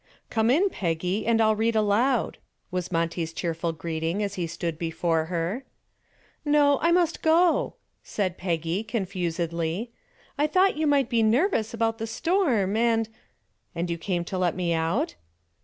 "Come in, Peggy, and I'll read aloud," was Monty's cheerful greeting as he stood before her. "No, I must go," said Peggy, confusedly. "I thought you might be nervous about the storm and " "And you came to let me out?"